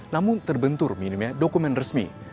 namun terbentur minimnya dokumen resmi